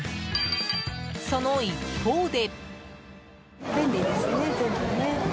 その一方で。